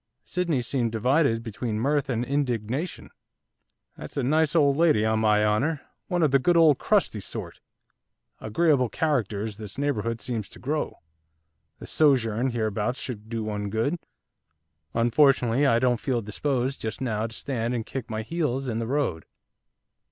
Sydney seemed divided between mirth and indignation. 'That's a nice old lady, on my honour, one of the good old crusty sort. Agreeable characters this neighbourhood seems to grow, a sojourn hereabouts should do one good. Unfortunately I don't feel disposed just now to stand and kick my heels in the road.